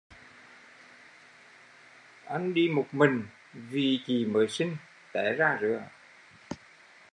Anh đi một mình vì chị mới sinh, té ra rứa